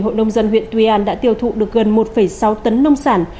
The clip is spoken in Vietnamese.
hội nông dân huyện tuy an đã tiêu thụ được gần một sáu tấn nông sản